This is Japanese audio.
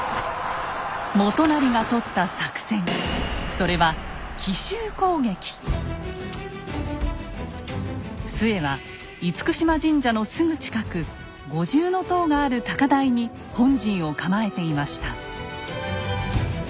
それは陶は嚴島神社のすぐ近く五重塔がある高台に本陣を構えていました。